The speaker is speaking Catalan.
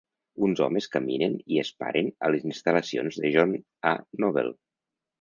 Uns homes caminen i es paren a les instal·lacions de John A. Noble.